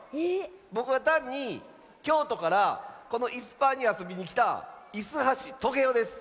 ぼくはたんにきょうとからこのいすパーにあそびにきたイスはしトゲオです。